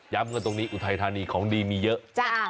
กันตรงนี้อุทัยธานีของดีมีเยอะ